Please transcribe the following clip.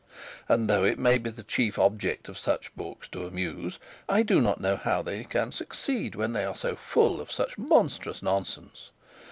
And though it may be the chief object of such books to amuse, I do not know how they can succeed, when they are so full of such monstrous nonsense.